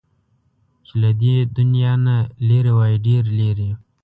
چې له دې دنيا نه لرې وای، ډېر لرې